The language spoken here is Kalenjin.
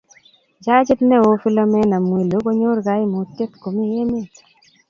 judgit neo philimena mwilu konyor kaimutyet komi emet